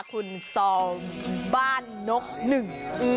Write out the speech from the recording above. คุณซองบ้านนกหนึ่ง